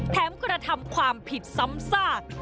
กระทำความผิดซ้ำซาก